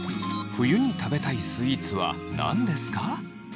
冬に食べたいスイーツは何ですか？